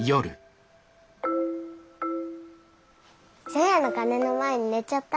除夜の鐘の前に寝ちゃった。